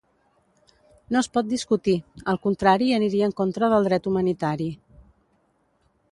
No es pot discutir, el contrari aniria en contra del dret humanitari.